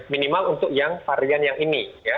minimal untuk yang varian yang ini